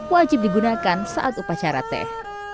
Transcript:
wajib digunakan saat upacara teh